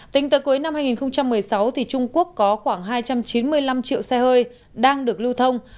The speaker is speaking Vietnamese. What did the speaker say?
tính tới cuối năm hai nghìn một mươi sáu trung quốc có khoảng hai trăm chín mươi năm triệu xe hơi đang được lưu thông